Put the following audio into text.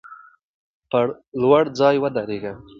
پر لوړ ځای ودریږه.